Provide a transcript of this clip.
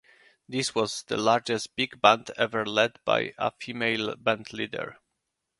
This was the largest big band ever led by a female bandleader.